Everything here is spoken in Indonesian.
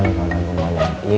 gimana nih keadaannya